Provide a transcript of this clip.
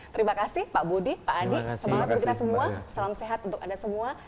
terima kasih pak budi pak adi semangat untuk kita semua